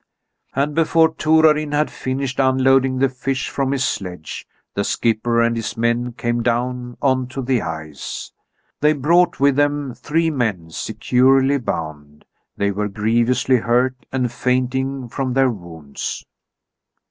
And before Torarin had finished unloading the fish from his sledge, the skipper and his men came down on to the ice. They brought with them three men securely bound. They were grievously hurt and fainting from their wounds.